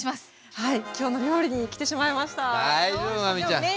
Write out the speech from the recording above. はい。